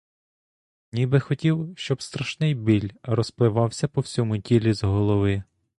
Ніби хотів, щоб страшний біль розпливався по всьому тілі з голови.